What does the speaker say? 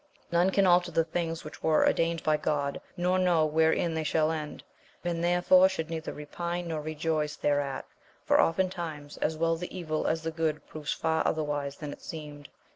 None can alter the things which were ordained by God, nor know where in they shall end. Men therefore should neither re pine nor rejoice thereat, for oftentimes as well the evil as the good proves far otherwise than it seemed.